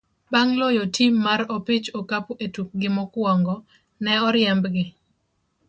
Bang' loyo tim mar opich okapu e tukgi mokwongo, ne oriembgi.